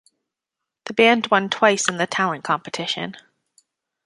The band won twice in the talent competition.